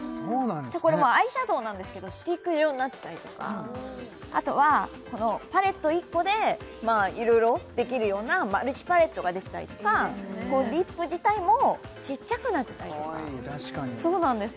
これはアイシャドウなんですけどスティック状になってたりとかあとはこのパレット１個でいろいろできるようなマルチパレットが出てたりとかリップ自体もちっちゃくなってたりとかかわいい確かにそうなんですよ